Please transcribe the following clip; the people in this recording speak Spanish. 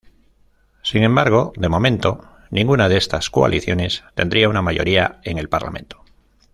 Sin embargo, de momento, ninguna de estas coaliciones tendría una mayoría en el Parlamento.